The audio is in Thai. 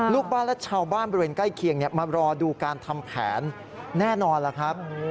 ลูกบ้านและชาวบ้านบริเวณใกล้เคียงมารอดูการทำแผนแน่นอนล่ะครับ